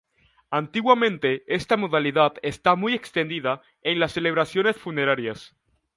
Antiguamente esta modalidad estaba muy extendida en las celebraciones funerarias.